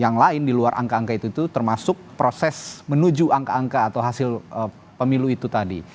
yang lain di luar angka angka itu itu termasuk proses menuju angka angka atau hasil pemilu itu tadi